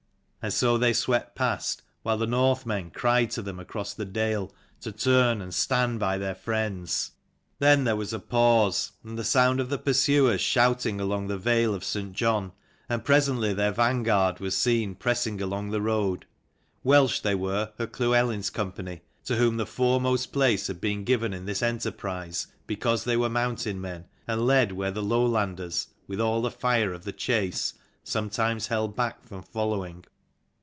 And so they swept past, while the Northmen cried to them across the dale to turn and stand by their friends. 292 Then there was a pause, and the sound of the pursuers shouting along the vale of St. John; and presently their van guard was seen pressing along the road, Welsh they were of Llewelyn's company, to whom the foremost place had been given in this enterprise because they were mountain men, and led where the Lowlanders, with all the fire of the chase, sometimes held back from following.